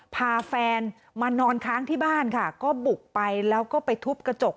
พาแฟนมานอนค้างที่บ้านค่ะก็บุกไปแล้วก็ไปทุบกระจก